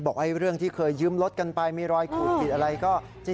บอกว่าเรื่องที่เคยยืมรถกันไปมีรอยขูดผิดอะไรก็